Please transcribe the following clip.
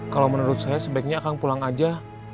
kalau menurut saya sebaiknya akan pulang aja